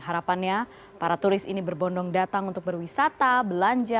harapannya para turis ini berbondong datang untuk berwisata belanja